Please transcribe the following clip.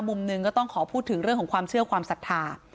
มุมหนึ่งก็ต้องขอพูดถึงเรื่องของความเชื่อความศรัทธา